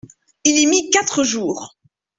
Il y mit quatre jours.